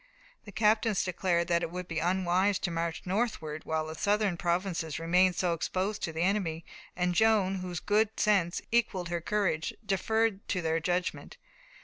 The captains declared that it would be unwise to march northward while the southern provinces remained so exposed to the enemy, and Joan, whose good sense equalled her courage, deferred to their judgment.